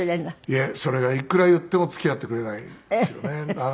いやそれがいくら言っても付き合ってくれないんですよね。